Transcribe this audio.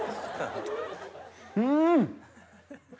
うん！